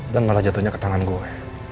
dan malah jatuhnya ke tangan gue